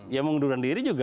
ya mengundurkan diri juga